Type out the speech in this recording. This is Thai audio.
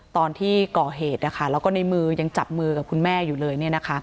ตอนที่ก่อเหตุนะคะแล้วก็ในมือยังจับมือกับคุณแม่อยู่เลยเนี่ยนะคะ